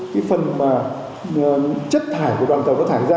cái phần mà chất thải của đoàn cầu nó thải ra